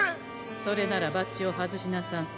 それならバッジを外しなさんせ。